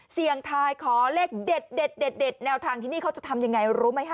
เสี่ยงทายขอเลขเด็ดเด็ดเด็ดเด็ดแนวทางที่นี่เขาจะทำยังไงรู้ไหมคะ